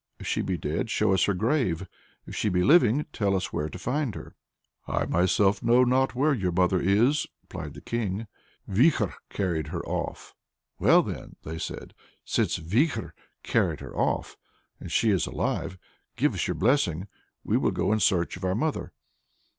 If she be dead, show us her grave; if she be living, tell us where to find her." "I myself know not where your mother is," replied the King. "Vikhor carried her off." "Well then," they said, "since Vikhor carried her off, and she is alive, give us your blessing. We will go in search of our mother."